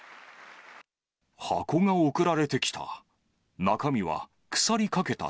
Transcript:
箱が送られてきた。